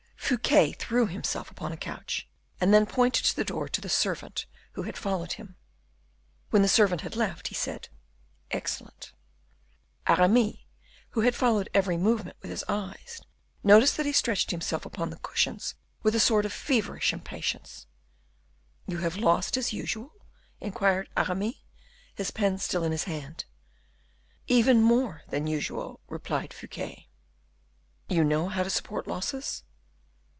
Fouquet threw himself upon a couch, and then pointed to the door to the servant who had followed him; when the servant had left he said, "Excellent." Aramis, who had followed every movement with his eyes, noticed that he stretched himself upon the cushions with a sort of feverish impatience. "You have lost as usual?" inquired Aramis, his pen still in his hand. "Even more than usual," replied Fouquet. "You know how to support losses?"